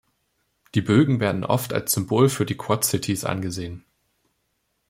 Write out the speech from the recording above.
Die Bögen werden oft als Symbol für die Quad Cities angesehen.